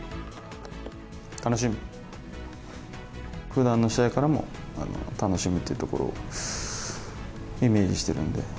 ふだんの試合からも楽しむというところをイメージしてるんで。